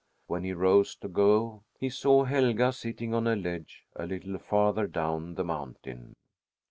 When he rose to go, he saw Helga sitting on a ledge a little farther down the mountain.